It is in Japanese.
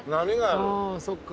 ああそっか。